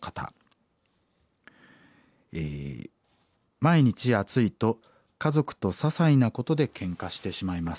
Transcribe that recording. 「毎日暑いと家族とささいなことでけんかしてしまいます。